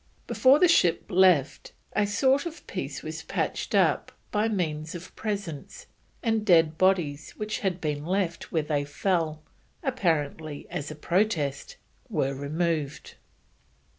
Before the ship left, a sort of peace was patched up by means of presents, and the dead bodies which had been left where they fell, apparently as a protest, were removed.